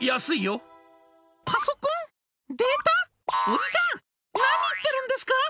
おじさん何言ってるんですか？